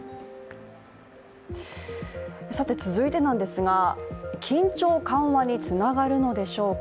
続いてなんですが緊張緩和につながるのでしょうか。